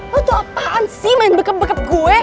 lo tuh apaan sih main bekap bekap gue